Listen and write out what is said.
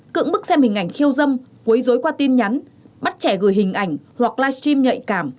cững bức xem hình ảnh khiêu dâm quấy dối qua tin nhắn bắt trẻ gửi hình ảnh hoặc live stream nhạy cảm